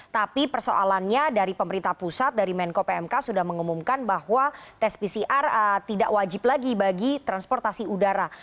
tapi persoalannya dari pemerintah pusat dari menko pmk sudah mengumumkan bahwa tes pcr tidak wajib lagi bagi transportasi udara